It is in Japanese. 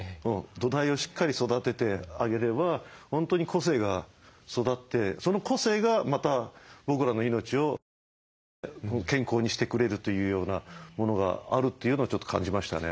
土台をしっかり育ててあげれば本当に個性が育ってその個性がまた僕らの命を健康にしてくれるというようなものがあるというのをちょっと感じましたね。